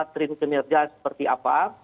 trend kinerja seperti apa